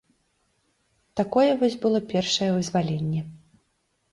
Такое вось было першае вызваленне.